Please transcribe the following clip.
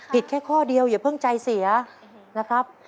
แค่ข้อเดียวอย่าเพิ่งใจเสียนะครับ